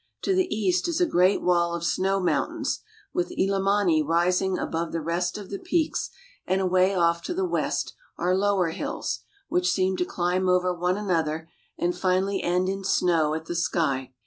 To the east is a great wall of snow mountains, with Illimani rising above the rest of the peaks, and away off to the west are lower hills, which seem to climb over one another and finally end in snow at the sky.